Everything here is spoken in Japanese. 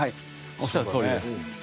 おっしゃるとおりです。